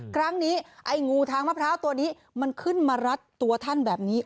ครั้งนี้ไอ้งูทางมะพร้าวตัวนี้มันขึ้นมารัดตัวท่านแบบนี้